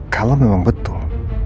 kalau memang betul